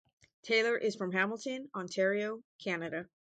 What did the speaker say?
Taylor is from Hamilton, Ontario, Canada.